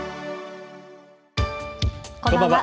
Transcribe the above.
こんばんは。